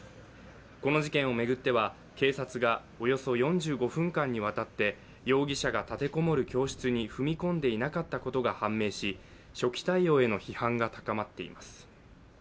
この事件を巡っては、警察がおよそ４５分間にわたって容疑者が立て籠もる教室に踏み込んでいなかったことが判明し初期対応への批判が高まっています。